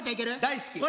大好き。